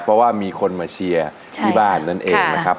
เพราะว่ามีคนมาเชียร์ที่บ้านนั่นเองนะครับ